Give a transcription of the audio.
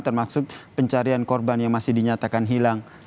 termasuk pencarian korban yang masih dinyatakan hilang